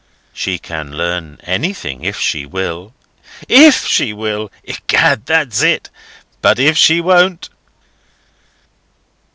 "She can learn anything, if she will." "If she will! Egad, that's it. But if she won't?"